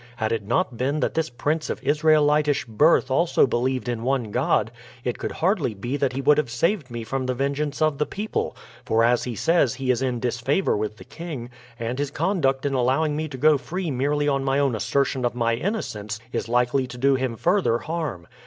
Had it not been that this prince of Israelitish birth also believed in one God, it could hardly be that he would have saved me from the vengeance of the people, for as he says he is in disfavor with the king, and his conduct in allowing me to go free merely on my own assertion of my innocence is likely to do him further harm.